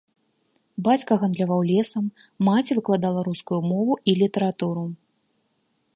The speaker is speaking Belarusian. Бацька гандляваў лесам, маці выкладала рускую мову і літаратуру.